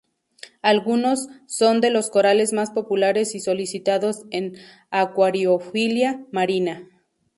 Algunos son de los corales más populares y solicitados en acuariofilia marina.